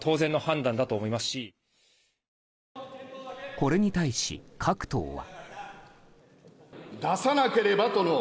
これに対し、各党は。